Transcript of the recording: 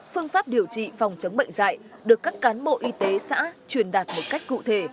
phương pháp điều trị phòng chống bệnh dạy được các cán bộ y tế xã truyền đạt một cách cụ thể